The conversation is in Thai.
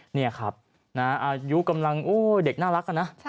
นี่ครับอายุกำลังเด็กน่ารักอะนะ